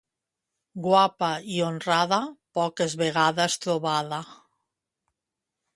Guapa i honrada, poques vegades trobada.